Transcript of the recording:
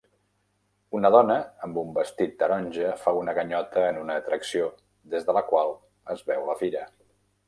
Una dona amb un vestit taronja fa una ganyota en una atracció des de la qual es veu la fira.